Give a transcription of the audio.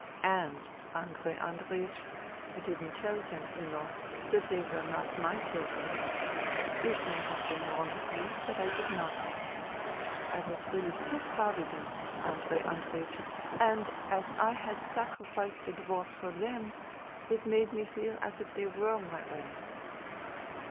And, Andrei Andreiech, I didn't tell them, you know, that they were not my children. It may have been wrong of me ; but I did not. I was really so proud of them, Andrei Andreiech, and as I had sacrificed the divorce for them ... it made me feel as if they were my own.